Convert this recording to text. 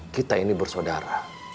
kita ini bersaudara